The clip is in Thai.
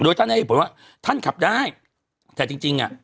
โดยตั้งในญี่ปุ่นว่าท่านขับได้แต่จริงจริงอ่ะ